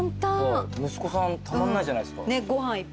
息子さんたまんないじゃないですか。